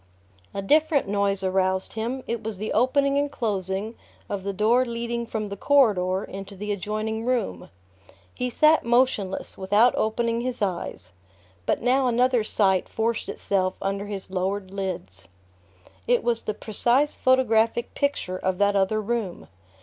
A different noise aroused him. It was the opening and closing of the door leading from the corridor into the adjoining room. He sat motionless, without opening his eyes; but now another sight forced itself under his lowered lids. It was the precise photographic picture of that other room.